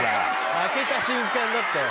開けた瞬間だったよ。